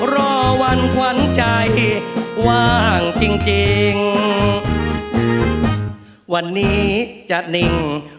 รอวันกวนใจว่างจริงจริง